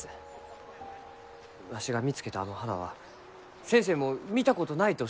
わしが見つけたあの花は先生も見たことないとおっしゃった。